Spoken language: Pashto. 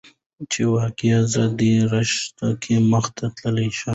چې واقعا زه دې رشته کې مخته تللى شم.